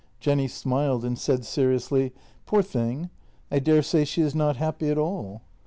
Jenny smiled, and said seriously: " Poor thing, I daresay she is not happy at all."